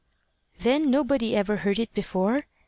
"Then nobody ever heard it before?"